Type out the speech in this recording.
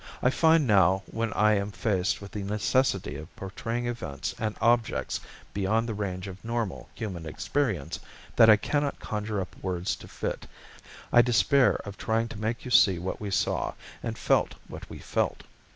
I find now when I am faced with the necessity of portraying events and objects beyond the range of normal human experience that I cannot conjure up words to fit. I despair of trying to make you see what we saw, and feel what we felt.